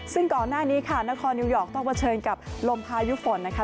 ซึ่งก่อนหน้านี้ค่ะนครนิวยอร์กต้องเผชิญกับลมพายุฝนนะคะ